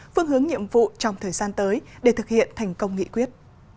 phương hướng nhiệm vụ trong thời gian tới để thực hiện thành công nghị quyết